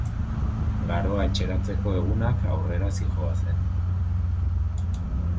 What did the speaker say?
Garoa etxeratzeko egunak aurrera zihoazen.